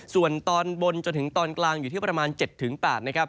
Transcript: ส่วนตอนบนถึงตอนกลางประมาณ๗๘